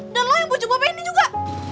dan lo yang pujuk bapak ini juga